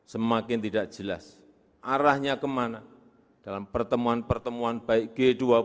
semakin tidak jelas arahnya kemana dalam pertemuan pertemuan baik g dua puluh